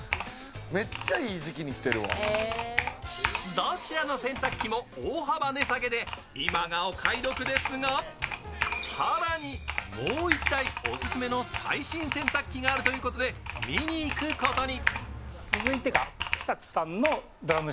どちらの洗濯機も大幅値下げで今がお買い得ですが更にもう１台、オススメの最新洗濯機があるということで見に行くことに。